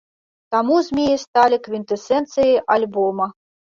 Таму змеі сталі квінтэсенцыяй альбома.